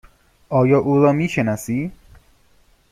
آیا او را می شناسی؟